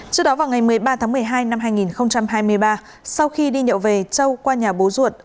trước đó vào ngày một mươi ba tháng một mươi hai năm hai nghìn hai mươi ba sau khi đi nhậu về châu qua nhà bố ruột